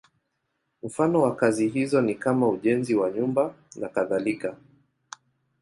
Mfano wa kazi hizo ni kama ujenzi wa nyumba nakadhalika.